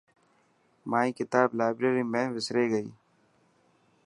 مائي ڪتاب لائبريري ۾ وسري گئي.